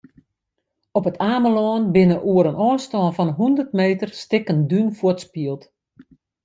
Op It Amelân binne oer in ôfstân fan hûndert meter stikken dún fuortspield.